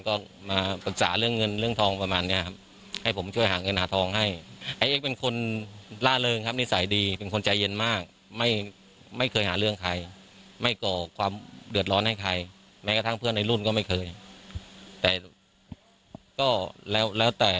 ความเดือดร้อนให้ใครแม้กระทั่งเพื่อนในรุ่นก็ไม่เคยแต่ก็แล้วแล้วแต่